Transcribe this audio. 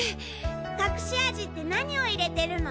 隠し味って何を入れてるの？